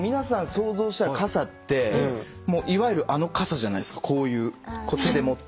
想像したら傘っていわゆるあの傘じゃないっすかこういう手で持って。